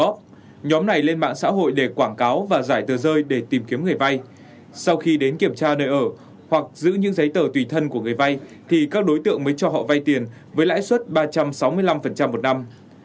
trong nhóm này lên mạng xã hội để quảng cáo và giải tờ rơi để tìm kiếm người vay sau khi đến kiểm tra nơi ở hoặc giữ những giấy tờ tùy thân của người vay thì các đối tượng mới cho họ vay tiền với lãi suất ba trăm sáu mươi năm một năm